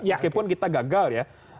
meskipun kita gagal ya